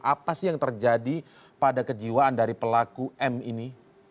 apa sih yang terjadi pada kejiwaan dari pelaku m ini